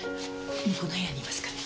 向こうの部屋にいますから。